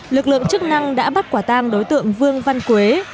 lực lượng chức năng đã bắt quả tang đối tượng vương văn quế